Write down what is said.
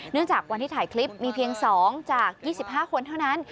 จากวันที่ถ่ายคลิปมีเพียง๒จาก๒๕คนเท่านั้น